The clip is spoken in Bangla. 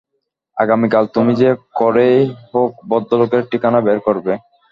আগামীকাল তুমি যে করেই হোক, ভদ্রলোকের ঠিকানা বের করবে।